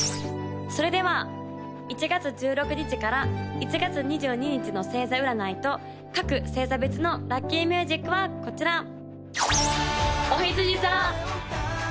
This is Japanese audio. それでは１月１６日から１月２２日の星座占いと各星座別のラッキーミュージックはこちら！